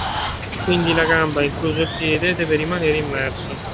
Quindi la gamba, incluso il piede, deve rimanere immerso.